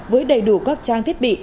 với đầy đủ các trang thiết bị